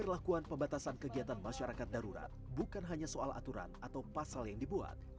pemberlakuan pembatasan kegiatan masyarakat darurat bukan hanya soal aturan atau pasal yang dibuat